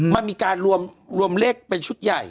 มันมีการรวมเลขเป็นชุดใหญ่